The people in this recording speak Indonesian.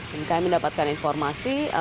maka mendapatkan informasi